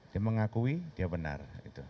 dia mengakui dia benar